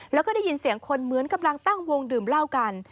แล้วก็ได้ยินเสียงคนเหมือนกำลังตั้งวงดื่มเหล้ากัน